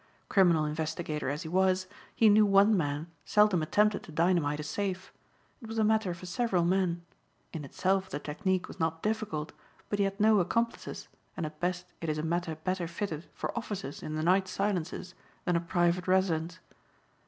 Criminal investigator as he was, he knew one man seldom attempted to dynamite a safe. It was a matter for several men. In itself the technique was not difficult but he had no accomplices and at best it is a matter better fitted for offices in the night silences than a private residence.